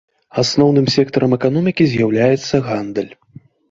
Асноўным сектарам эканомікі з'яўляецца гандаль.